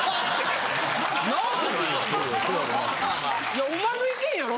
いやお前の意見やろ？